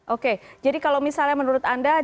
oke jadi kalau misalnya menurut anda